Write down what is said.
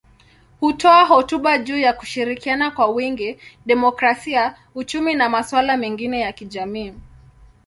Hutoa hotuba juu ya kushirikiana kwa wingi, demokrasia, uchumi na masuala mengine ya kijamii.